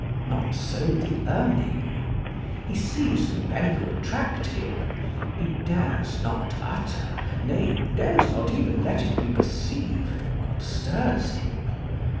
Not so the Urning. He sees the men who attract him; he dares not utter, nay, dares not even let it be perceived, what stirs him.